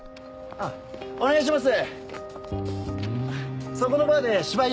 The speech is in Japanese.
あっお願いします！